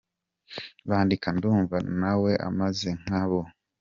Bandika: Ndumva na we ameze nka bo.